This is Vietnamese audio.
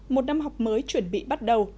một năm học mới chuẩn bị bắt đầu